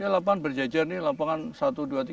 ya lampangan berjejer nih lampangan berjejer